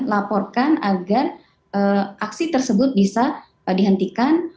laporkan agar aksi tersebut bisa dihentikan